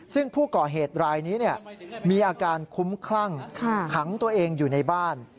ซึ่งผู้ก่อเหตุรายนี้มีอาการคุ้มคลั่งขังตัวเองอยู่ในบ้าน